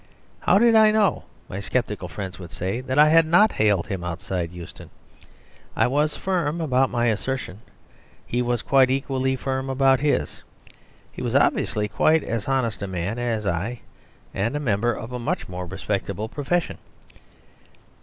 How did I know (my sceptical friends would say) that I had not hailed him outside Euston. I was firm about my assertion; he was quite equally firm about his. He was obviously quite as honest a man as I, and a member of a much more respectable profession.